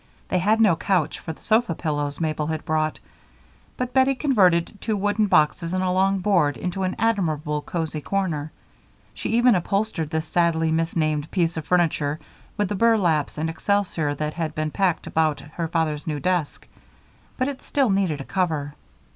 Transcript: They had no couch for the sofa pillows Mabel had brought, but Bettie converted two wooden boxes and a long board into an admirable cozy corner. She even upholstered this sadly misnamed piece of furniture with the burlaps and excelsior that had been packed about her father's new desk, but it still needed a cover.